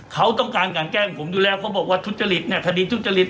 เขาต้องการกันแกล้งผมอยู่แล้วเขาบอกว่าทุจริตเนี่ยคดีทุจริต